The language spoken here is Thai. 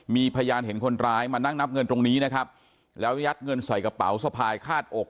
มีพยานเห็นคนร้ายมานั่งนับเงินตรงนี้นะครับแล้วยัดเงินใส่กระเป๋าสะพายคาดอก